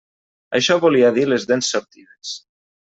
Això volia dir les dents sortides.